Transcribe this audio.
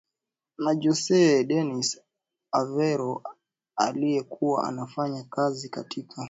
Na Jose Dinis Aveiro aliye kuwa anafanya kazi katika